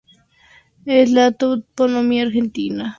En la toponimia argentina el cabo hace referencia a Manuel Belgrano.